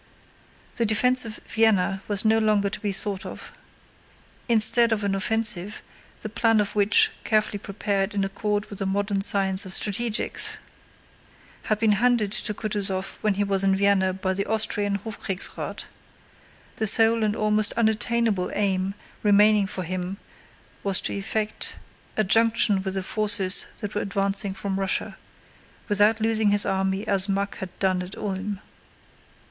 The defense of Vienna was no longer to be thought of. Instead of an offensive, the plan of which, carefully prepared in accord with the modern science of strategics, had been handed to Kutúzov when he was in Vienna by the Austrian Hofkriegsrath, the sole and almost unattainable aim remaining for him was to effect a junction with the forces that were advancing from Russia, without losing his army as Mack had done at Ulm.